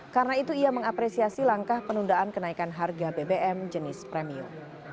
karena itu ia mengapresiasi langkah penundaan kenaikan harga bbm jenis premium